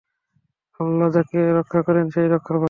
আল্লাহ যাকে রক্ষা করেন, সে-ই রক্ষা পায়।